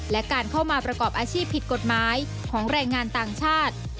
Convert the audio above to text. และการเข้ามาประกอบอาชีพผิดกฎหมายของแรงงานต่างชาติ